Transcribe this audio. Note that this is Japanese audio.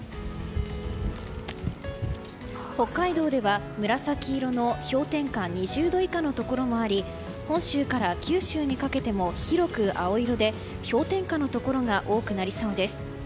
北海道では紫色の氷点下２０度以下のところもあり本州から九州にかけても広く青色で氷点下のところが多くなりそうです。